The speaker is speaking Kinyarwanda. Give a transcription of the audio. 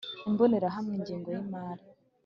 Imbonerahamwe ingengo y imari